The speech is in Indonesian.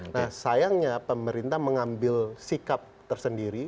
nah sayangnya pemerintah mengambil sikap tersendiri